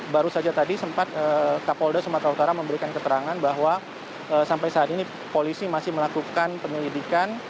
baru saja tadi sempat kapolda sumatera utara memberikan keterangan bahwa sampai saat ini polisi masih melakukan penyelidikan